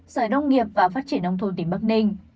sở nông nghiệp và phát triển nông thôn tỉnh bắc ninh